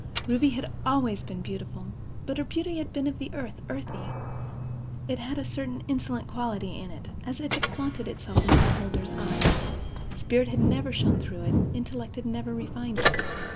Ruby had always been beautiful; but her beauty had been of the earth, earthy; it had had a certain insolent quality in it, as if it flaunted itself in the beholder's eye; spirit had never shone through it, intellect had never refined it.